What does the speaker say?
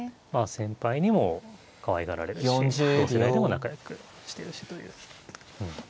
先輩にもかわいがられるし同世代でも仲よくしてるしという。